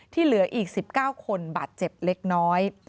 เหลืออีก๑๙คนบาดเจ็บเล็กน้อย